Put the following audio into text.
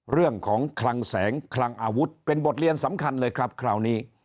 เรื่องของคลังแสงคลังอาวุธเป็นบทเรียนสำคัญเลยครับคราวนี้